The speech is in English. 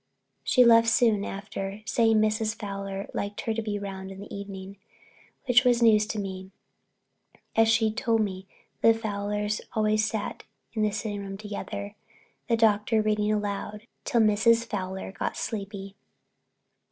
She left soon after, saying Mrs. Fowler liked her to be round in the evening, which was news to me, as she'd told me that the Fowlers always sat in the sitting room together, the Doctor reading aloud till Mrs. Fowler got sleepy.